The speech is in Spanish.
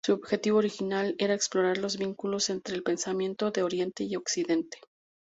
Su objetivo original era explorar los vínculos entre el pensamiento de Oriente y Occidente.